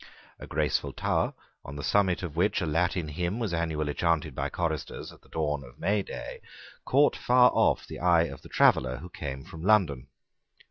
A graceful tower, on the summit of which a Latin hymn was annually chanted by choristers at the dawn of May day, caught far off the eye of the traveller who came from London.